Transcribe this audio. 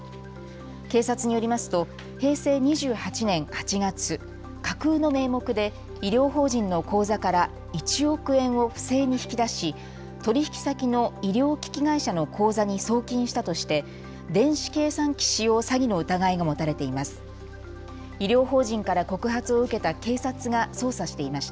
警察によりますと平成２８年８月、架空の名目で医療法人の口座から１億円を不正に引き出し取引先の医療機器会社の口座に送金したとして電子計算機使用詐欺の疑いが持たれています。